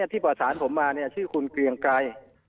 ที่ประสานผมมาชื่อคุณเกรียงไกร